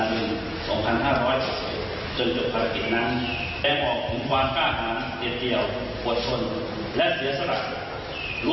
นี้เจอเรื่องคำสุดในการแก่งพิธีผีและการปฎิษฐศาสตร์